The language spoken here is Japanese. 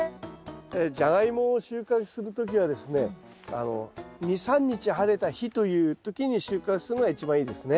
ジャガイモを収穫する時はですね２３日晴れた日という時に収穫するのが一番いいですね。